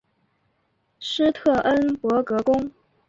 施特恩伯格宫。